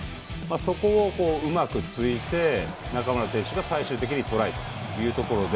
そこをうまく突いて中村選手が最終的にトライというところで。